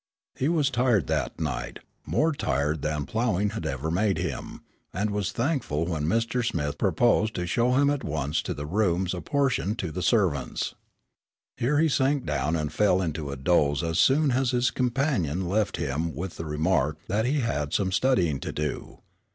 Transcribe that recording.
He was tired that night, more tired than ploughing had ever made him, and was thankful when Smith proposed to show him at once to the rooms apportioned to the servants. Here he sank down and fell into a doze as soon as his companion left him with the remark that he had some studying to do.